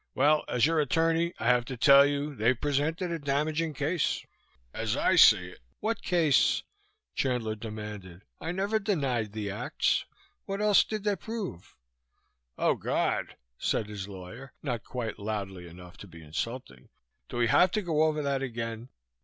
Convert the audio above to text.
"Well. As your attorney I have to tell you they've presented a damaging case. As I see it " "What case?" Chandler demanded. "I never denied the acts. What else did they prove?" "Oh, God!" said his lawyer, not quite loudly enough to be insulting. "Do we have to go over that again?